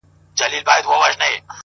o د ټپې په رزم اوس هغه ده پوه سوه ـ